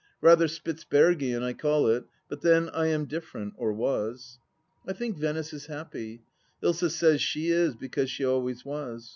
Rather Spitzbergian I call it ; but then, I am different — or was. I think Venice is happy. Ilsa says she is, because she always was.